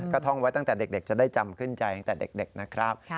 ก็ท่องไว้ตั้งแต่เด็กจะได้จำขึ้นใจตั้งแต่เด็กนะครับ